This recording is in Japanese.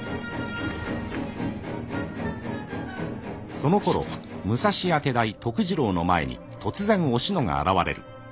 そのころ武蔵屋手代徳次郎の前に突然おしのが現れる。